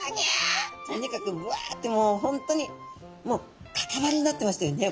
とにかくうわってもう本当にもうかたまりになってましたよね